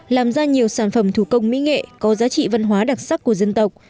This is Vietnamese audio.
làm ra nhiều sản phẩm thủ công mỹ nghệ có giá trị văn hóa đặc sắc của dân tộc